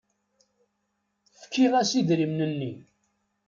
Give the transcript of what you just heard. Fkiɣ-as idrimen-nni.